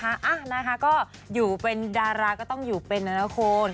เออนะคะอยู่เป็นดาราก็ต้องอยู่เป็นนาคม